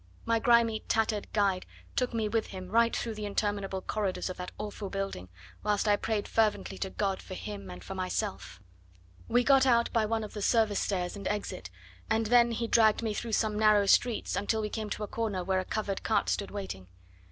My grimy, tattered guide took me with him right through the interminable corridors of that awful building, whilst I prayed fervently to God for him and for myself. We got out by one of the service stairs and exit, and then he dragged me through some narrow streets until we came to a corner where a covered cart stood waiting.